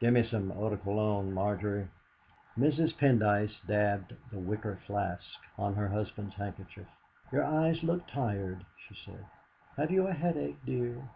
Give me some eau de Cologne, Margery." Mrs. Pendyce dabbed the wicker flask on her husband's handkerchief. "Your eyes look tired," she said. "Have you a headache, dear?"